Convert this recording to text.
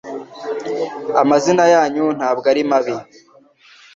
Amazina yanyu ntabwo ari mabi